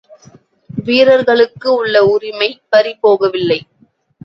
வீரர்களுக்கு உள்ள உரிமை பறிபோகவில்லை.